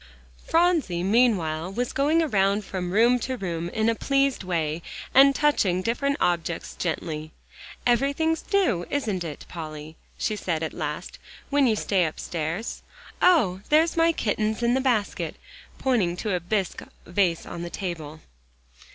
Phronsie, meanwhile, was going around from room to room in a pleased way, and touching different objects gently "Everything's new, isn't it, Polly," she said at last, "when you stay upstairs? Oh! there's my kittens in the basket," pointing to a bisque vase on the table.